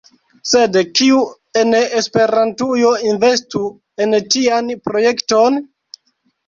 Sed kiu en Esperantujo investu en tian projekton?